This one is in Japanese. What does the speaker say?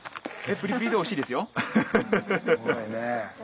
プリプリでおいしいですよフフフ。